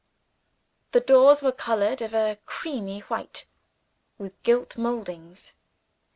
The doors were colored of a creamy white, with gilt moldings.